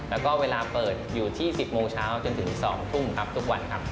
แล้วก็เวลาเปิดอยู่ที่๑๐โมงเช้าจนถึง๒ทุ่มครับทุกวันครับ